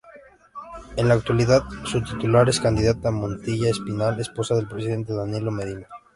En la actualidad su titular es Cándida Montilla Espinal esposa del presidente Danilo Medina.